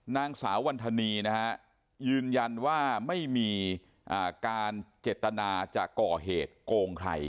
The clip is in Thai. นางสาววันธนีนะฮะยืนยันว่าไม่มีการเจตนาจะก่อเหตุโกงใคร